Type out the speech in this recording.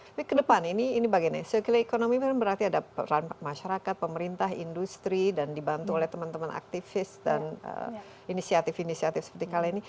tapi kedepan ini bagaimana ya secara ekonomi berarti ada masyarakat pemerintah industri dan dibantu oleh teman teman aktivis dan inisiatif inisiatif seperti kali ini